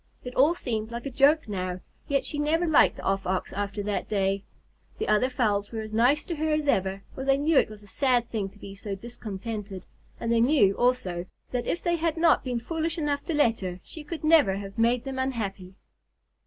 It all seemed like a joke now, yet she never liked the Off Ox after that day. The other fowls were as nice to her as ever, for they knew it was a sad thing to be so discontented, and they knew, also, that if they had not been foolish enough to let her, she could never have made them unhappy.